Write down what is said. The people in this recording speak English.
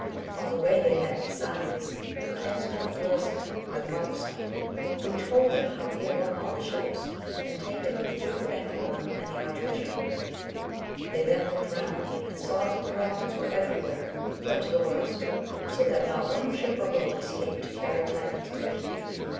On the way they met Ysanes, a kinsman of Florestan by the mother's side, who told them how he had won all the ships, and taken the Duke of Ancona and the Arch bishop ; they then looked round, and saw that the Romans were every where put to the worst, so that not one ship or boat escaped to carry tidings of their defeat.